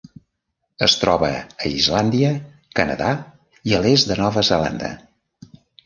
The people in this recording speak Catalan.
Es troba a Islàndia, Canadà i a l'est de Nova Zelanda.